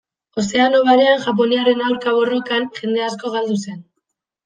Ozeano Barean, japoniarren aurka borrokan, jende asko galdu zen.